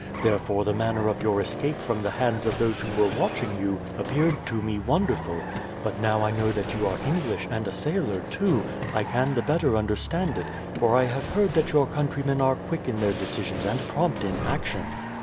Therefore the manner of your escape from the hands of those who were watching you appeared to me wonderful; but now I know that you are English, and a sailor too, I can the better understand it, for I have heard that your countrymen are quick in their decisions and prompt in action.